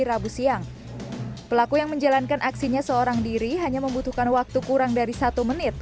rabu siang pelaku yang menjalankan aksinya seorang diri hanya membutuhkan waktu kurang dari satu menit